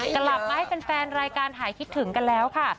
กลับมาให้แฟนรายการหายคิดถึงกันแล้วค่ะ